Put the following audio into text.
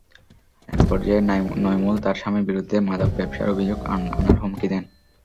একপর্যায়ে নইমুল তাঁর স্বামীর বিরুদ্ধে মাদক ব্যবসার অভিযোগ আনার হুমকি দেন।